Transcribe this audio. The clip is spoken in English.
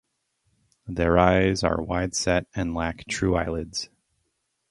Their eyes are wide-set and lack true eyelids.